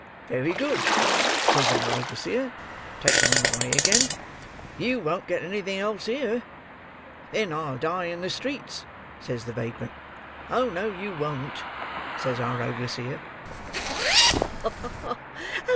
'Very good,' says our overseer, taking 'em away again, 'you won't get anything else here.' 'Then I'll die in the streets!' says the vagrant. 'Oh no, you won't,' says our overseer."